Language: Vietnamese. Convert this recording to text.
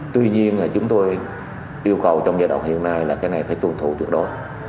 tuy nhiên là chúng tôi yêu cầu trong giai đoạn hiện nay là cái này phải tuân thủ trước đó